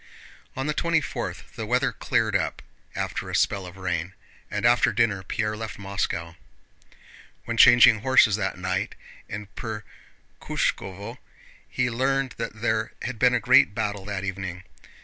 On the twenty fourth the weather cleared up after a spell of rain, and after dinner Pierre left Moscow. When changing horses that night in Perkhúshkovo, he learned that there had been a great battle that evening.